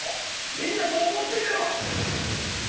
みんなそう思ってるよ！